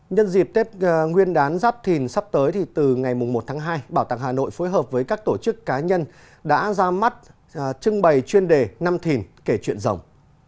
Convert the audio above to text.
nhân dịp tết nguyên đán giáp thìn sắp tới thì từ ngày một tháng hai bảo tàng hà nội phối hợp với các tổ chức cá nhân đã ra mắt trưng bày chuyên đề năm thìn kể chuyện rồng